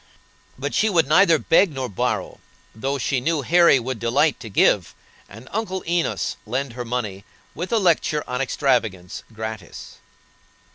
But she would neither beg nor borrow, though she knew Harry would delight to give, and Uncle Enos lend her money, with a lecture on extravagance, gratis.